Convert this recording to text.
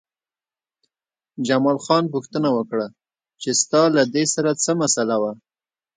جمال خان پوښتنه وکړه چې ستا له دې سره څه مسئله وه